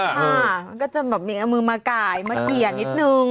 มันก็จะมีงามือมาก่ายมาเขียนนิดหนึ่ง